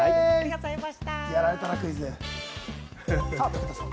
やられたなぁ、クイズで。